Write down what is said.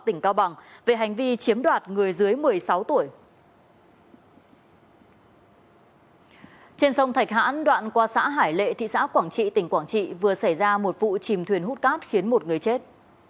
trên sông thạch hãn đoạn qua xã hải lệ thị xã quảng trị tỉnh quảng trị vừa xảy ra một vụ chìm thuyền hút cát khiến một người chết